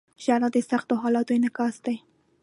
• ژړا د سختو حالاتو انعکاس دی.